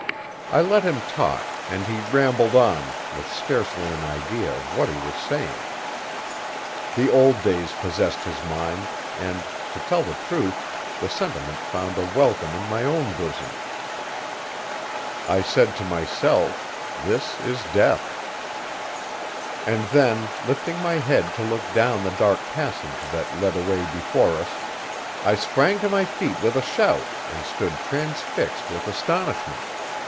I let him talk, and he rambled on, with scarcely an idea of what he was saying. The old days possessed his mind, and, to tell the truth, the sentiment found a welcome in my own bosom. I said to myself, "This is death." And then, lifting my head to look down the dark passage that led away before us, I sprang to my feet with a shout and stood transfixed with astonishment.